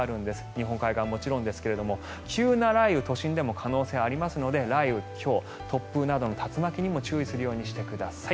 日本海側はもちろんですが急な雷雨都心でも可能性がありますので雷雨、ひょう突風などの竜巻にも注意するようにしてください。